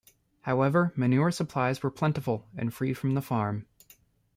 However, manure supplies were plentiful and free from the farm.